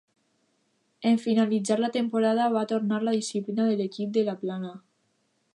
En finalitzar la temporada va tornar a la disciplina de l'equip de La Plana.